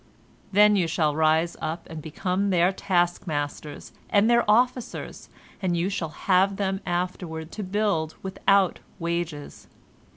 Then you shall rise up and become their taskmasters and their officers, and you shall have them afterward to build without wages.